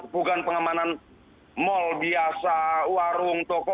bukan pengamanan mal biasa warung toko